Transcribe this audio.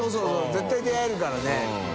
絶対出会えるからね。